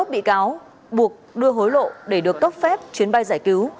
hai mươi một bị cáo buộc đưa hối lộ để được tốc phép chuyến bay giải cứu